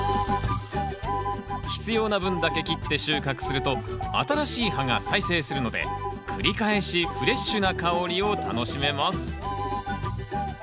必要な分だけ切って収穫すると新しい葉が再生するので繰り返しフレッシュな香りを楽しめます。